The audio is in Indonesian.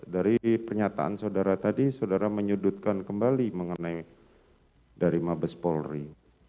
dari pernyataan saudara tadi saudara menyudutkan kembali mengenai dari mabes polri